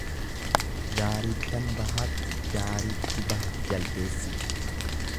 Gaarittan bahaatti daaritti baha jaldeessi.